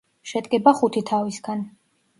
შედგება ხუთი თავისგან.